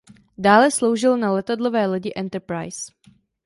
Dále sloužil na letadlové lodi Enterprise.